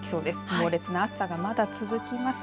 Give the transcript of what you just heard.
猛烈な暑さがまだ続きます。